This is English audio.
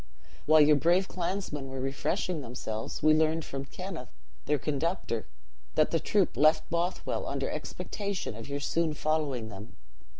"While your brave clansmen were refreshing themselves, we learned from Kenneth, their conductor, that the troop left Bothwell under expectation of your soon following them.